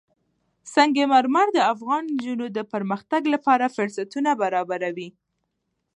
سنگ مرمر د افغان نجونو د پرمختګ لپاره فرصتونه برابروي.